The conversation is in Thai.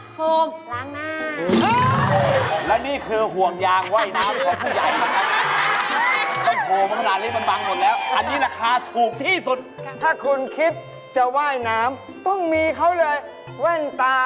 โฟมสุดไว้น้ำไปไหนล่ะ